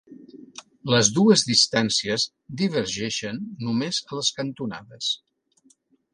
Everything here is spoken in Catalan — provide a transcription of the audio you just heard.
Les dues distàncies divergeixen només a les cantonades.